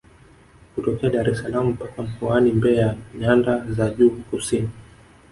Kutokea Daressalaam mpaka mkoani Mbeya nyanda za juu kusini